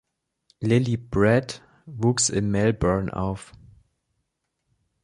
Lily Brett wuchs in Melbourne auf.